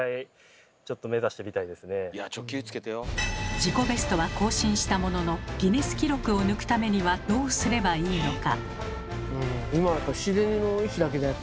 自己ベストは更新したもののギネス記録を抜くためにはどうすればいいのか。